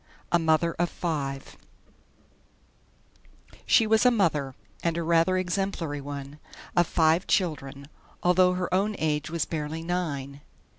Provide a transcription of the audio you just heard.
A MOTHER OF FIVE She was a mother and a rather exemplary one of five children, although her own age was barely nine.